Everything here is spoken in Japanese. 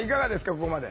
ここまで。